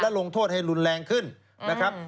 ลงโทษให้รุนแรงขึ้นนะครับ